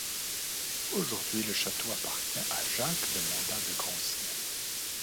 Aujourd'hui le château appartient à Jacques de Mandat de Grancey.